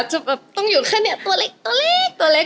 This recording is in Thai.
จะแบบต้องอยู่แค่นี้ตัวเล็กตัวเล็กตัวเล็ก